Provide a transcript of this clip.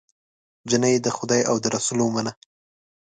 جینۍ د خدای او د رسول ومنه